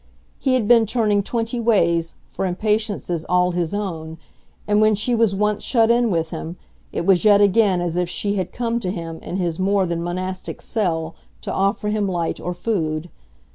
He had been turning twenty ways, for impatiences all his own, and when she was once shut in with him it was yet again as if she had come to him in his more than monastic cell to offer him light or food.